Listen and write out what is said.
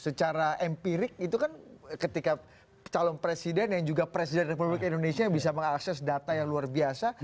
secara empirik itu kan ketika calon presiden dan juga presiden republik indonesia yang bisa mengakses data yang luar biasa